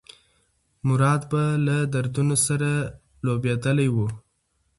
مراد به له دردونو سره لوبېدلی و.